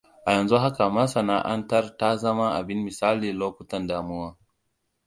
A yanzu haka masana'antar ta zama abin misali lokutan damuwa.